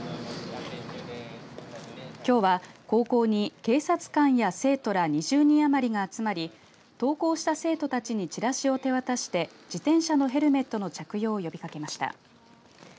きょうは高校に警察官や生徒ら２０人余りが集まり登校した生徒たちにチラシを手渡して自転車のヘルメットの着用を呼びかけました。